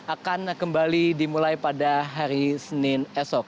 akan kembali dimulai pada hari senin esok